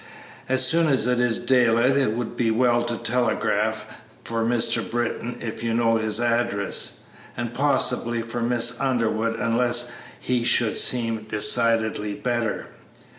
As soon as it is daylight it would be well to telegraph for Mr. Britton if you know his address, and possibly for Miss Underwood unless he should seem decidedly better."